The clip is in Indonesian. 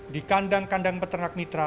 di kandang kandang peternak mitra